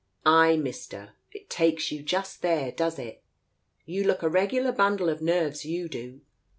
" Ay, Mister, it takes you just there, does it ? You look a regular bundle of nerves, you do.